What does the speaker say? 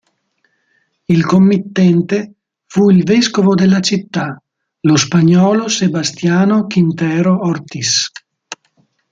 Il committente fu il vescovo della città, lo spagnolo Sebastiano Quintero Ortis.